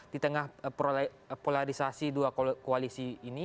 di tengah polarisasi dua koalisi ini